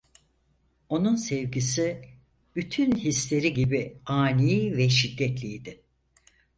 Onun sevgisi, bütün hisleri gibi ani ve şiddetliydi.